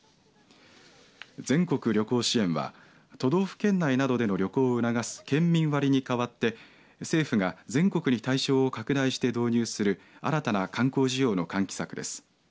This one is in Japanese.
全国旅行支援は都道府県内などでの旅行を促す県民割に代わって政府が全国に対象を拡大して導入する新たな観光需要の喚起策です。